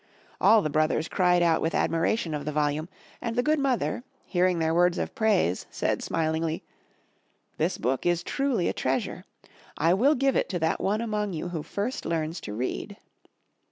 All the brothers cried out with admiration of the volume, and the good mother, hearing their words of praise, said smilingly, "This book is truly a treasure. I will give it to that one among you who first learns to read.''